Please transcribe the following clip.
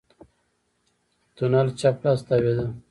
تونل چپ لاس ته تاوېده.